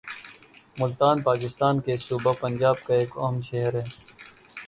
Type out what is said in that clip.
ملتان پاکستان کے صوبہ پنجاب کا ایک اہم شہر ہے